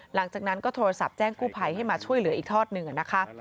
หลังจากนั้นก็โทรศัพท์แจ้งกู้ภัยให้มาช่วยเหลืออีกทอดหนึ่งนะคะ